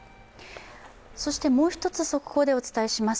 そしてもう１つ速報でお伝えします